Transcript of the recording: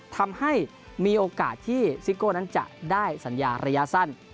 ทำให้มีโอกาสที่ซิโก้นั้นจะได้สัญญาระยะสั้น